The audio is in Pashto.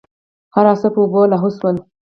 هرڅه په اوبو لاهو سول.